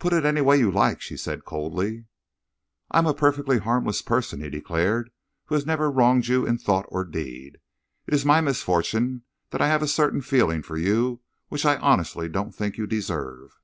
"Put it any way you like," she said coldly. "I am a perfectly harmless person," he declared, "who has never wronged you in thought or deed. It is my misfortune that I have a certain feeling for you which I honestly don't think you deserve."